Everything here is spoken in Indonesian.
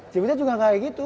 cibu tete juga kayak gitu